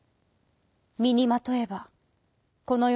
みにまとえばこのよ